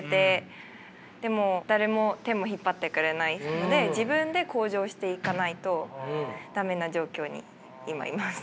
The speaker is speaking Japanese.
でも誰も手も引っ張ってくれないので自分で向上していかないと駄目な状況に今います。